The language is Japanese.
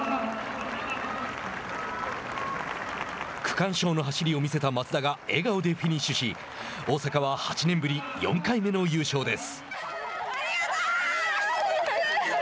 区間賞の走りを見せた松田が笑顔でフィニッシュし大阪は８年ぶり４回目の優勝です。